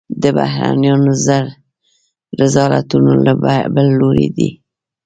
د بهرنیانو رذالتونه له بل لوري دي.